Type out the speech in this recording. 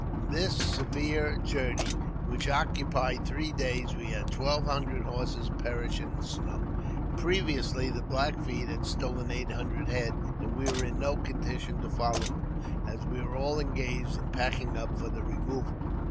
In this severe journey, which occupied three days, we had twelve hundred horses perish in the snow. Previously, the Black Feet had stolen eight hundred head, and we were in no condition to follow them, as we were all engaged in packing up for removal.